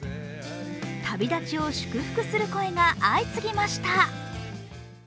旅立ちを祝福する声が相次ぎました。